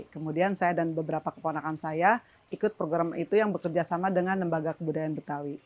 kemudian saya dan beberapa keponakan saya ikut program itu yang bekerja sama dengan lembaga kebudayaan betawi